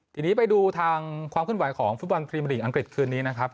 ทีนี้ไปดูทางความขึ้นไหวของฟุตบันพรีเมอร์หลีงอังกฤษคืนนี้นะครับ